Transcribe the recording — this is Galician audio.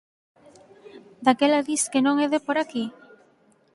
Daquela dis que non é de por aquí?